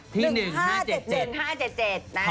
ที่ไหนคะ